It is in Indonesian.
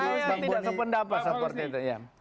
saya tidak sependapat seperti itu ya